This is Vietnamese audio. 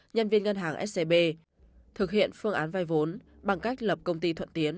nhân viên ngân hàng scb thực hiện phương án vay vốn bằng cách lập công ty thuận tiến